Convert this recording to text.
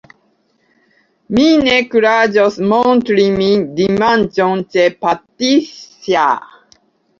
mi ne kuraĝos montri min, dimanĉon, ĉe Patisja!